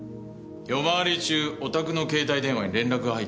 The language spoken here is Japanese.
夜回り中おたくの携帯電話に連絡が入ったんでしたね。